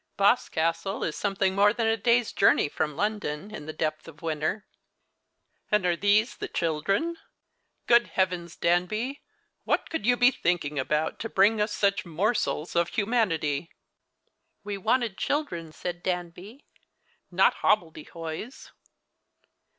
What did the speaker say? Boscastle is something more than a day's journey from London in the depth of winter." " And are these the chihh en ? Good heavens, Danby ! What could you be thinking about to bring us such morsels of humanity ?"" We wanted children," said Danby, " not hobblede hoys."